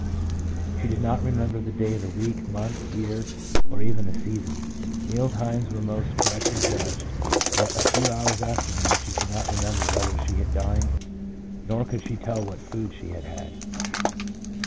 She did not remember the day of the week, month, year, or even the season. Meal times were most correctly judged, yet a few hours after meals she could not remember whether she had dined, nor could she tell what food she had had.